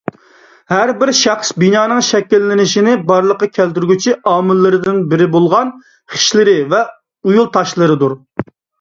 ھەر بىر شەخس بىنانىڭ شەكىللىنىشىنى بارلىققا كەلتۈرگۈچى ئامىللىرىدىن بىرى بولغان خىشلىرى ۋە ئۇيۇل تاشلىرىدۇر.